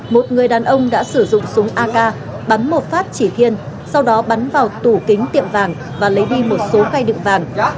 một người đàn ông đã sử dụng súng ak bắn một phát chỉ thiên sau đó bắn vào tủ kính tiệm vàng và lấy đi một số khy đựng vàng